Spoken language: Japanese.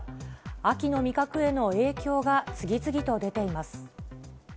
秋の味覚への影響が次々と出ています。